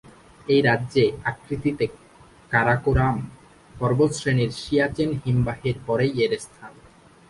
এই রাজ্যে আকৃতিতে কারাকোরাম পর্বতশ্রেণীর সিয়াচেন হিমবাহের পরেই এর স্থান।